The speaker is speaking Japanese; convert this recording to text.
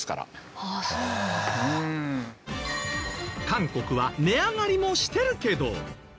韓国は値上がりもしてるけど。